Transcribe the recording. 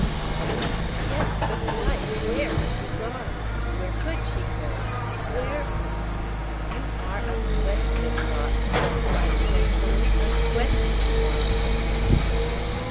"Yes, but, Dwight, where has she gone? Where could she go? Where " "You are a question box," said Dwight playfully. "A question box."